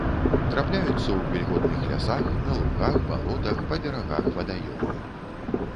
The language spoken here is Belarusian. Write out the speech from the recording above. Трапляюцца ў вільготных лясах, на лугах, балотах, па берагах вадаёмаў.